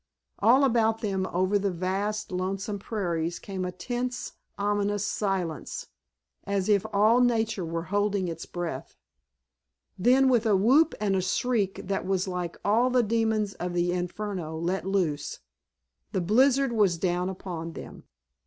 All about them over the vast, lonesome prairies came a tense, ominous silence, as if all nature were holding its breath. Then, with a whoop and a shriek that was like all the demons of the Inferno let loose, the blizzard was down upon them.